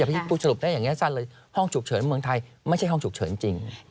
แต่พี่พูดสรุปได้อย่างนี้สั้นเลยห้องฉุกเฉินเมืองไทยไม่ใช่ห้องฉุกเฉินจริง